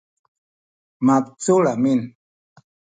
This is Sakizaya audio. mabecul amin